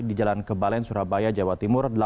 di jalan kebalen surabaya jawa timur